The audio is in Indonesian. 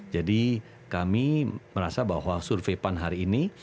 kami merasa bahwa survei pan hari ini